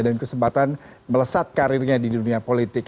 dan kesempatan melesat karirnya di dunia politik